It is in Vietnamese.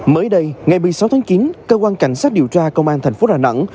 mới đây ngày một mươi sáu tháng chín cơ quan cảnh sát điều tra công an thành phố đà nẵng